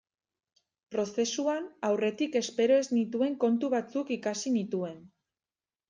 Prozesuan aurretik espero ez nituen kontu batzuk ikasi nituen.